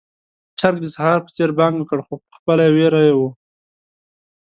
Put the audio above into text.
چرګ د سهار په څېر بانګ وکړ، خو پخپله يې وېره وه.